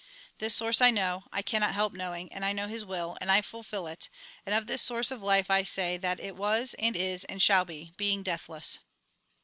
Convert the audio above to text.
This source I know, I cannot help knowing, and I know His will, and I fulfij it ; and of this source of life I say, that it was, and is, and shall be, being deathless.''